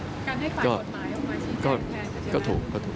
การให้ฝ่ายกฎหมายออกมาชี้แจงแท้ก็ถูก